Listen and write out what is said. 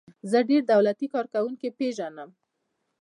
زه ډیر دولتی کارکوونکي پیژنم.